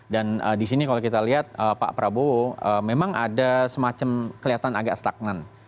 dan di sini kalau kita lihat pak prabowo memang ada semacam kelihatan agak stagnan